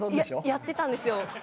やってたんですよ。